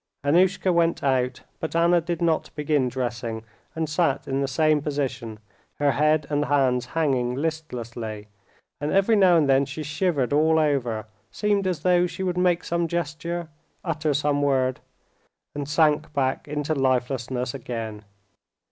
Annushka went out, but Anna did not begin dressing, and sat in the same position, her head and hands hanging listlessly, and every now and then she shivered all over, seemed as though she would make some gesture, utter some word, and sank back into lifelessness again.